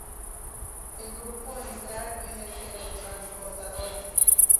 El grupo entrar en el teletransportador.